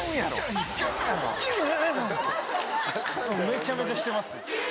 めちゃめちゃしてます。